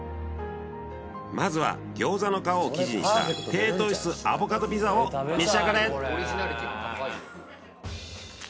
まずは餃子の皮を生地にした低糖質アボカドピザを召し上がれ！